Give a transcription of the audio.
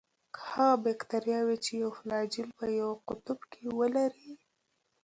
هغه باکتریاوې چې یو فلاجیل په یوه قطب کې ولري.